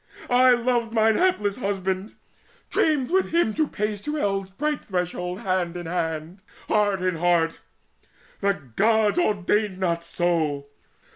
I loved mine hapless husband dreamed with him To pace to eld's bright threshold hand in hand, And heart in heart! The gods ordained not so.